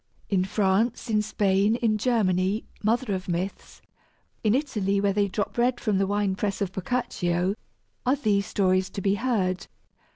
In France, in Spain, in Germany mother of myths in Italy, where they drop red from the wine press of Boccaccio are these stories to be heard.